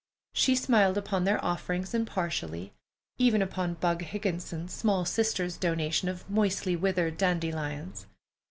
She smiled upon their offerings impartially, even upon Bug Higginson's small sister's donation of moistly withered dandelions.